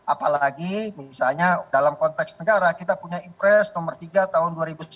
apalagi misalnya dalam konteks negara kita punya impress nomor tiga tahun dua ribu sembilan belas